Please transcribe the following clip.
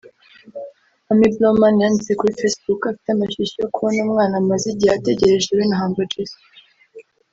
Amy Blauman yanditse kuri Facebook ko afite amashyushyu yo kubona ‘umwana amaze igihe ategereje we na Humble Jizzo’